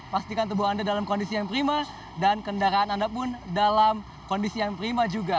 pastikan tubuh anda dalam kondisi yang primers dan kendaraan anda pun dalam kondisi yang prima juga